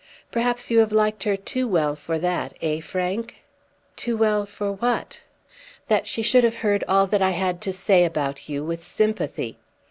"Perhaps you have liked her too well for that, eh, Frank?" "Too well for what?" "That she should have heard all that I had to say about you with sympathy.